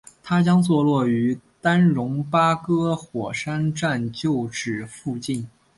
它将坐落于丹戎巴葛火车站旧址附近。